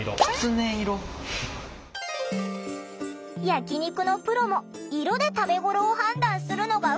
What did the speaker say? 焼き肉のプロも色で食べごろを判断するのがふつう。